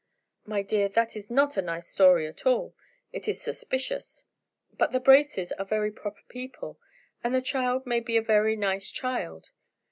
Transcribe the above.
"My dear, that is not a nice story at all. It is suspicious." "But the Braces are very proper people, and the child may be a very nice child.